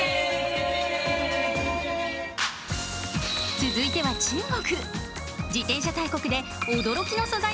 続いては中国。